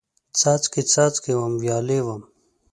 څاڅکي، څاڅکي وم، ویالې وم